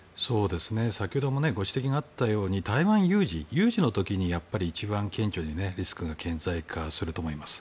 先ほどもご指摘があったように台湾有事有事の時に一番顕著にリスクが顕在化すると思います。